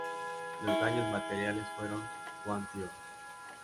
Los daños materiales fueron cuantiosos.